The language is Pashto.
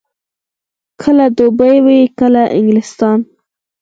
کله دوبۍ وي، کله انګلستان.